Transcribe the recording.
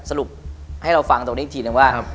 สรุปให้เราฟังตรงนี้อีกทีนึงว่า